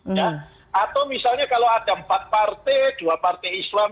ya atau misalnya kalau ada empat partai dua partai islam